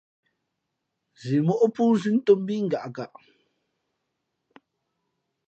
Zimóʼ pōōnzʉ̌ ntōm mbí ngaʼkaʼ.